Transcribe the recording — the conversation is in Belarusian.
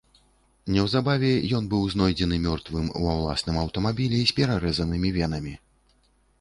Неўзабаве ён быў знойдзены мёртвым ва ўласным аўтамабілі з перарэзанымі венамі.